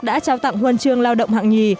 đã trao tặng huân trường lao động hạng nhì